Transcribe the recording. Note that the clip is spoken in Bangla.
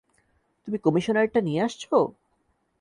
তুমি, কমিশনারেরটা নিয়ে আসছো!